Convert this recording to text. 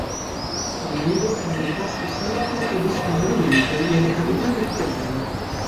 Il nido viene posto sempre ed esclusivamente nelle cavità del terreno.